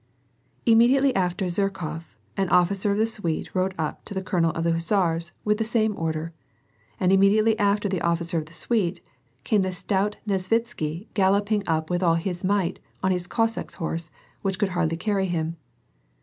" Immediately after Zherkof, an officer of the suite rode up to the colonel of hussars, with the same order, And immedi ately after the officer of the suite, came the stout Nesvitsky, galloping up with all his might, on his Cossack's horse, which could hardly carry him.